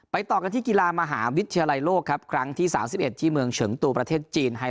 ต่อกันที่กีฬามหาวิทยาลัยโลกครับครั้งที่๓๑ที่เมืองเฉิงตูประเทศจีน